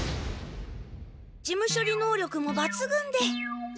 事務処理能力も抜群でやった！